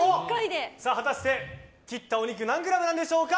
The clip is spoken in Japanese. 果たして、切ったお肉何グラムなんでしょうか。